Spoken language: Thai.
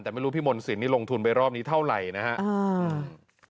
แต่ไม่รู้พี่มนต์สินนี่ลงทุนไปรอบนี้เท่าไหร่นะครับ